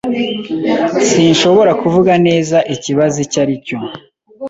Sinshobora kuvuga neza ikibazo icyo ari cyo.